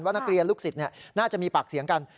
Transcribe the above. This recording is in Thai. นักเรียนลูกศิษย์น่าจะมีปากเสียงกัน